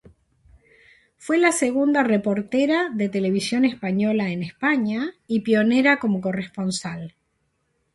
Fue la segunda reportera de Televisión Española en España y pionera como corresponsal.